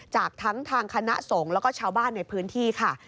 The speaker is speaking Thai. จากทั้งทางคณะสงฆ์แล้วก็ชาวบ้านในพื้นที่ค่ะ